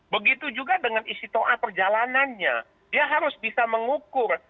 karena dengan istiqtoa perjalanannya dia harus bisa mengukur